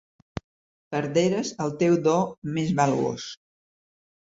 Perderes el teu do més valuós.